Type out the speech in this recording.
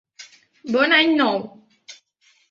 Bon any nou!